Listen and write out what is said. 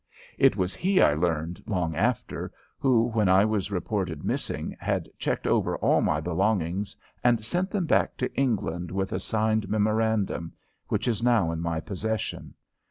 It was he, I learned long after, who, when I was reported missing, had checked over all my belongings and sent them back to England with a signed memorandum which is now in my possession.